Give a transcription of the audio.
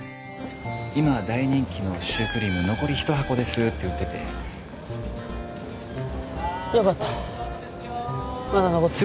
「今大人気のシュークリーム」「残り一箱です」って売っててさあ残り一箱ですよ